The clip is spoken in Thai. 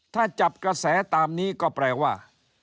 ถ้าจับกระแสตามนี้ก็แปลว่า